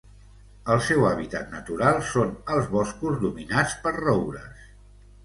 El seu hàbitat natural són els boscos dominats per roures.